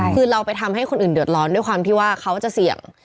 คือเราไปทำให้คนอื่นเดือดร้อนด้วยความที่ว่าเขาจะเสี่ยง